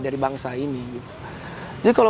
dari bangsa ini jadi kalau